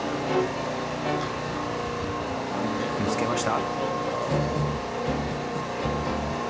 見つけました？